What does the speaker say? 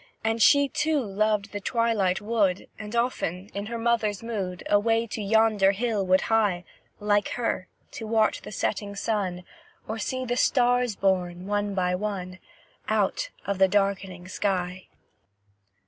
And she too loved the twilight wood And often, in her mother's mood, Away to yonder hill would hie, Like her, to watch the setting sun, Or see the stars born, one by one, Out of the darkening sky.